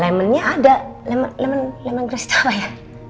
lemonnya ada lemongrass apa ya